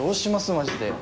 マジで。